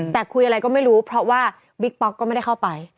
แต่คุยอะไรก็ไม่รู้เพราะว่าบิ๊กป๊อกก็ไม่ได้เข้าไป